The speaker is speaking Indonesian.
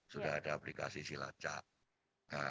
sudah ada aplikasi silacak